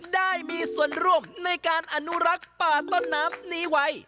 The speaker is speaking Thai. ได้มีส่วนร่วมในการอนุรักษ์ป่าต้นน้ำนี้ไว้